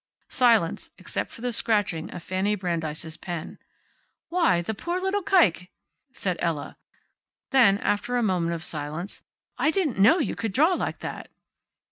Silence, except for the scratching of Fanny Brandeis's pen. "Why the poor little kike!" said Ella Monahan. Then, after another moment of silence, "I didn't know you could draw like that."